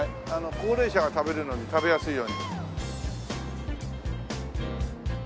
高齢者が食べるのに食べやすいように。